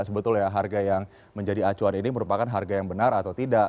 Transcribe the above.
sebetulnya harga yang menjadi acuan ini merupakan harga yang benar atau tidak